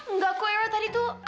enggak kok ewa tadi tuh